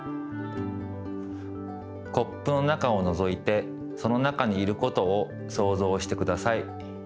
コップの中をのぞいてその中にいることをそうぞうしてください。